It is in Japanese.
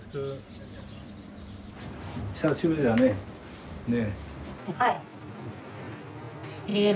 久しぶりだね。